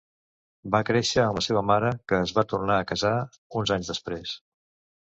Va créixer amb la seva mare, que es va tornar a casar uns anys després.